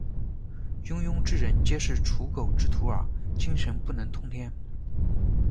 庸庸之人皆是刍狗之徒耳，精神不能通天。